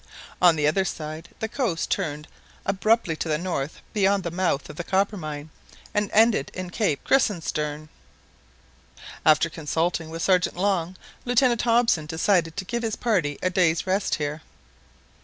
On the other side the coast turned abruptly to the north beyond the mouth of the Coppermine River, and ended in Cape Krusenstern. After consulting with Sergeant Long, Lieutenant Hobson decided to give his party a day's rest here.